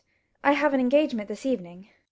] I have an engagement this evening. BORKMAN.